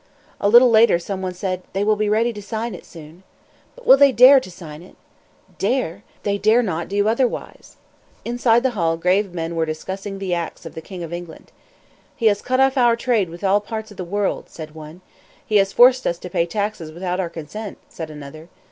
A little later some one said: "They will be ready to sign it soon." "But will they dare to sign it?" "Dare? They dare not do otherwise." Inside the hall grave men were discussing the acts of the King of England. "He has cut off our trade with all parts of the world," said one. "He has forced us to pay taxes without our consent," said another.